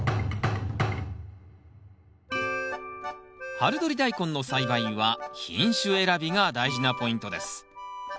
春どりダイコンの栽培は品種選びが大事なポイントです。